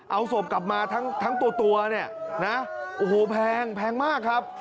เอาศพกลับมาทั้งตัวเนี่ยนะโอ้โหแพงแพงมากครับ